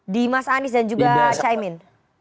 di mas anies dan juga chai min